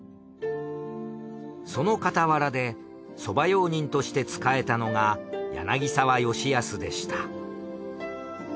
そのかたわらで側用人として仕えたのが柳澤吉保でした。